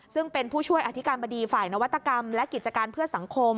ซึ่งเป็นผู้ช่วยอธิการบดีฝ่ายนวัตกรรมและกิจการเพื่อสังคม